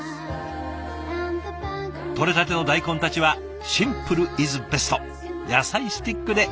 とれたての大根たちはシンプルイズベスト野菜スティックで。